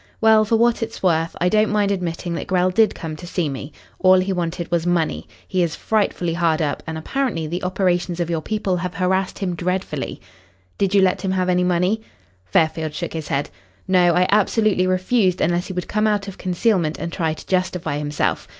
"Well, for what it is worth, I don't mind admitting that Grell did come to see me. All he wanted was money. He is frightfully hard up, and apparently the operations of your people have harassed him dreadfully." "Did you let him have any money?" Fairfield shook his head. "No; I absolutely refused unless he would come out of concealment and try to justify himself.